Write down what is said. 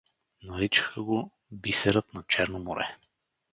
Наричаха го „Бисерът на Черно море“.